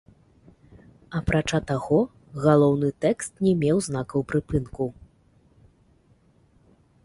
Апрача таго, галоўны тэкст не меў знакаў прыпынку.